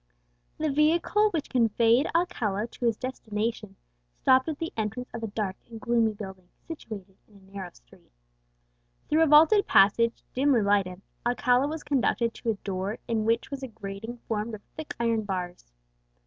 The vehicle which conveyed Alcala to his destination stopped at the entrance of a dark and gloomy building, situated in a narrow street. Through a vaulted passage, dimly lighted, Alcala was conducted to a door in which was a grating formed of thick iron bars.